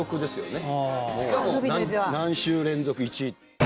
しかも何週連続１位。